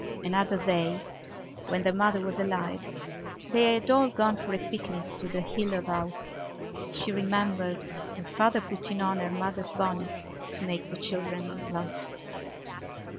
Another day, when their mother was alive, they had all gone for a picnic to the Hill of Howth. She remembered her father putting on her mother's bonnet to make the children laugh.